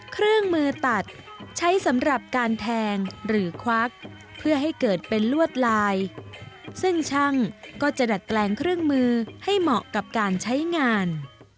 เครื่องมือตัดใช้สำหรับการแทงหรือควักเพื่อให้เกิดเป็นลวดลายซึ่งช่างก็จะดัดแปลงเครื่องมือให้เหมาะกับการใช้งาน